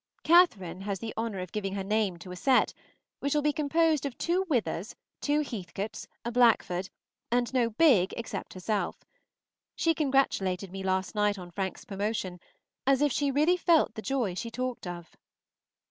Catherine has the honor of giving her name to a set, which will be composed of two Withers, two Heathcotes, a Blackford, and no Bigg except herself. She congratulated me last night on Frank's promotion, as if she really felt the joy she talked of.